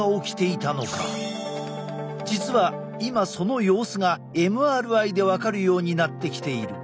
実は今その様子がＭＲＩで分かるようになってきている。